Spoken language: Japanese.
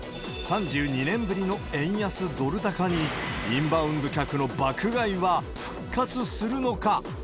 ３２年ぶりの円安ドル高に、インバウンド客の爆買いは復活するのか。